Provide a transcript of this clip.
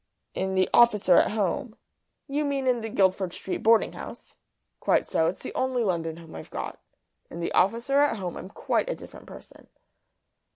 "In the office or at home " "You mean in the Guildford Street boarding house?" "Quite so. It's the only London home I've got. In the office or at home I'm quite a different person."